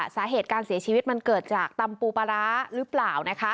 สาเหตุการเสียชีวิตมันเกิดจากตำปูปลาร้าหรือเปล่า